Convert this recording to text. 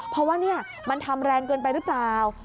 เพราะว่ามันทำแรงเกินไปหรือเปล่า